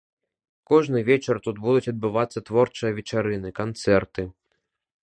Кожны вечар тут будуць адбывацца творчыя вечарыны, канцэрты.